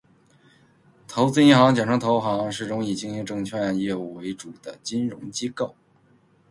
投资银行，简称投行，是种以经营证券业务为主的金融机构